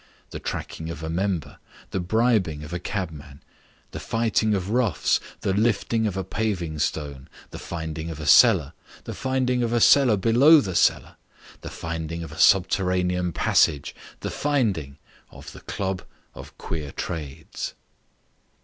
The tracking of a member, the bribing of a cabman, the fighting of roughs, the lifting of a paving stone, the finding of a cellar, the finding of a cellar below the cellar, the finding of the subterranean passage, the finding of the Club of Queer Trades.